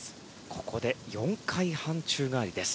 ここで４回半宙返りです。